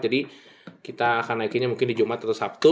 jadi kita akan naikinnya mungkin di jumat atau sabtu